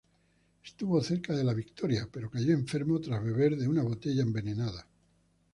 Estuvo cerca de la victoria, pero cayó enfermo tras beber de una botella envenenada.